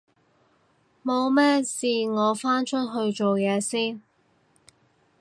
冇咩事我返出去做嘢先